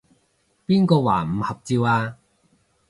邊個話唔合照啊？